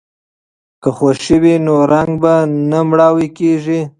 که خوښي وي نو رنګ نه مړاوی کیږي.